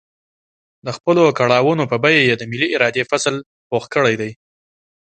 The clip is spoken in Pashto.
د خپلو کړاوونو په بيه د ملي ارادې فصل پوخ کړی دی.